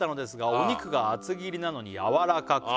「お肉が厚切りなのにやわらかくて」